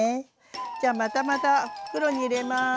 じゃまたまた袋に入れます。